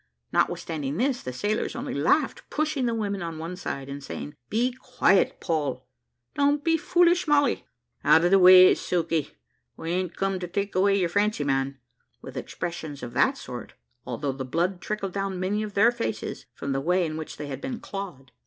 Notwithstanding this, the sailors only laughed, pushing the women on one side, and saying, "Be quiet, Poll;" "Don't be foolish, Molly;" "Out of the way, Sukey: we a'n't come to take away your fancy man;" with expressions of that sort, although the blood trickled down many of their faces, from the way in which they had been clawed.